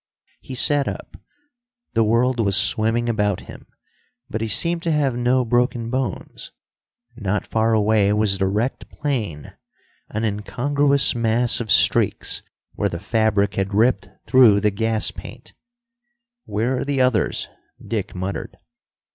He sat up. The world was swimming about him, but he seemed to have no broken bones. Not far away was the wrecked plane, an incongruous mass of streaks where the fabric had ripped through the gas paint. "Where are the others?" Dick muttered.